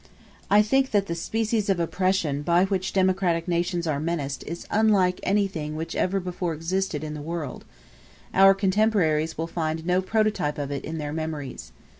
*a I think then that the species of oppression by which democratic nations are menaced is unlike anything which ever before existed in the world: our contemporaries will find no prototype of it in their memories.